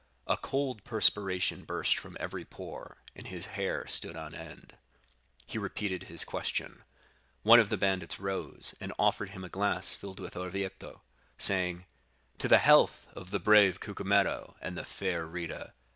A cold perspiration burst from every pore, and his hair stood on end. He repeated his question. One of the bandits rose, and offered him a glass filled with Orvietto, saying, 'To the health of the brave Cucumetto and the fair Rita.